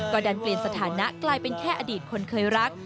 ก็ดันเปลี่ยนสถานะกลายเป็นแค่อดีตคนเคยรัก